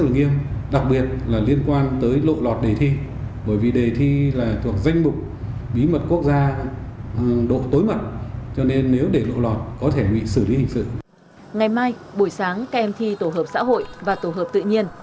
ngày mai buổi sáng các em thi tổ hợp xã hội và tổ hợp tự nhiên